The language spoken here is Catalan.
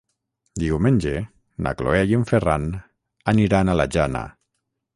Diumenge na Cloè i en Ferran aniran a la Jana.